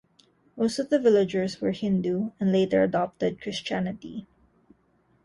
Most of the villagers were Hindu and later adopted Christianity.